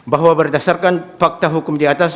bahwa berdasarkan fakta hukum di atas